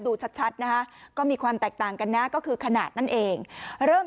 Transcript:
ดูชัดนะฮะก็มีความแตกต่างกันนะก็คือขนาดนั่นเองเริ่ม